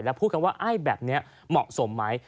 แล้วพูดกันว่าไอ้แบบนี้เหมาะสมไหม